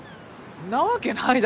んなわけないだろ！